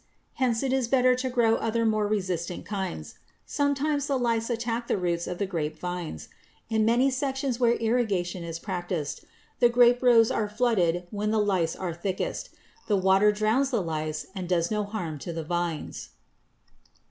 Hence it is better to grow other more resistant kinds. Sometimes the lice attack the roots of the grape vines. In many sections where irrigation is practiced the grape rows are flooded when the lice are thickest. The water drowns the lice and does no harm to the vines.